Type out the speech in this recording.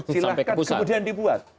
silahkan kemudian dibuat